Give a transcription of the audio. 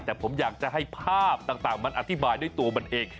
แต่ผมอยากจะให้ภาพต่างมันอธิบายด้วยตัวมันเอง